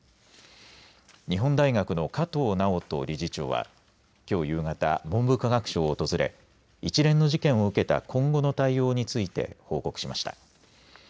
日本大学の加藤直人理事長はきょう夕方、文部科学省を訪れ一連の事件を受けた今後の対応について報告しました。